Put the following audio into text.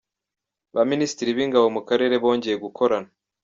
Ba Minisitiri b’Ingabo mu karere bongeye gukorana.